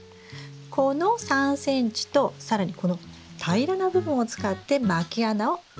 この３ｃｍと更にこの平らな部分を使ってまき穴を開けます。